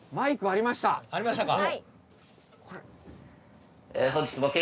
ありましたか。